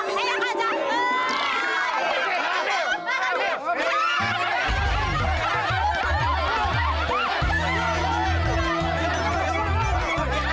masih berani coba